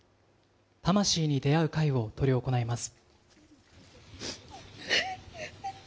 魂に出会う会を執り行います。